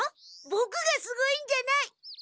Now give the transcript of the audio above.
ボクがすごいんじゃない！